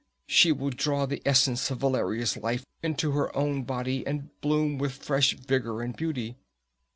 She will draw the essence of Valeria's life into her own body, and bloom with fresh vigor and beauty."